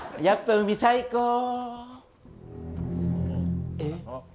やっぱ海、最高！